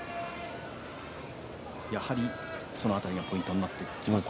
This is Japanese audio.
やはりその辺りがポイントになってきますか？